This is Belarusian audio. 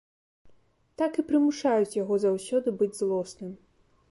Так і прымушаюць яго заўсёды быць злосным.